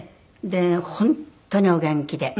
で本当にお元気で。